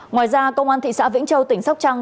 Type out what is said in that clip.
ngoài ra công an thị xã vĩnh châu tỉnh sóc trăng